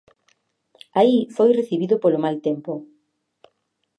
Aí foi recibido polo mal tempo.